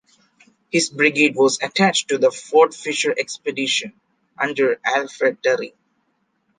His brigade was attached to the Fort Fisher Expedition under Alfred Terry.